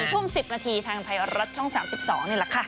ทุ่ม๑๐นาทีทางไทยรัฐช่อง๓๒นี่แหละค่ะ